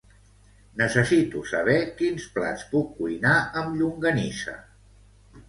Necessito saber quins plats puc cuinar amb llonganissa.